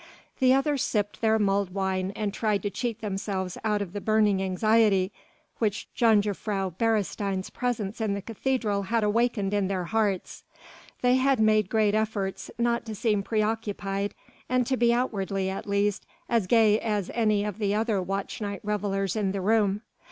The others sipped their mulled wine and tried to cheat themselves out of the burning anxiety which Jongejuffrouw Beresteyn's presence in the cathedral had awakened in their hearts. They had made great efforts not to seem pre occupied and to be outwardly at least as gay as any of the other watch night revellers in the room.